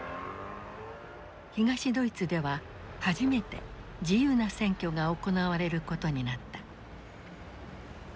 東ドイツでは初めて自由な選挙が行われることになった。